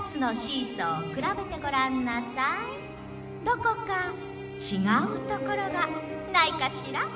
どこかちがうところがないかしら？」。